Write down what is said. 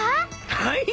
はい。